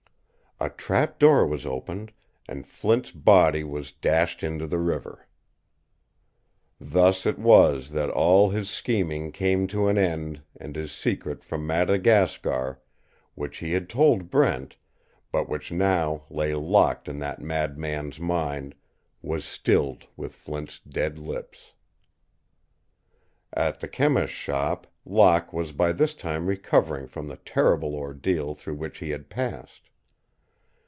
A trap door was opened and Flint's body was dashed into the river. Thus it was that all his scheming came to an end and his secret from Madagascar, which he had told Brent, but which now lay locked in that mad man's mind, was stilled with Flint's dead lips. At the chemist's shop Locke was by this time recovering from the terrible ordeal through which he had passed.